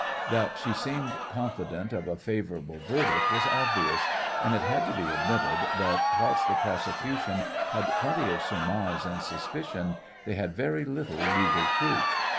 That she appeared confident of a favourable verdict was obvious, and it had to be admitted that whilst the prosecution had plenty of surmise and suspicion they had very little legal proof.